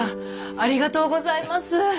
ありがとうございます。